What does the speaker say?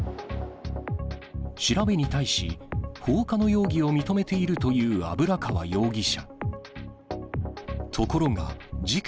調べに対し、放火の容疑を認めているという油川容疑者。